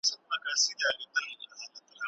په حنفي مذهب کې د مخطي طلاق څه حکم لري؟